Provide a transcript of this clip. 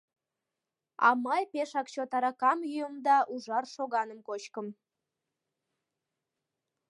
— А мый пешак чот аракам йӱым да ужар шоганым кочкым.